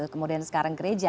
kemudian sekarang gereja